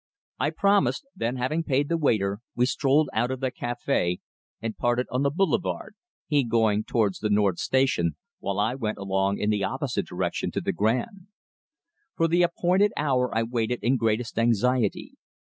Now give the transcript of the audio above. I promised, then having paid the waiter, we strolled out of the café, and parted on the Boulevard, he going towards the Nord Station, while I went along in the opposite direction to the Grand. For the appointed hour I waited in greatest anxiety.